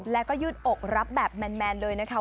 แล้วก็ยืดอกรับแบบแมนเลยนะคะ